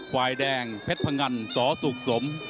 ไหว้แดงเพชรพังอันสสุกสม